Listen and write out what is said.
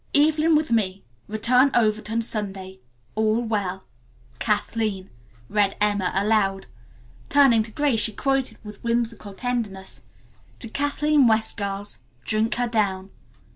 "Evelyn with me. Return Overton Sunday. All well "KATHLEEN." read Emma aloud. Turning to Grace she quoted with whimsical tenderness, "To Kathleen West, girls, drink her down."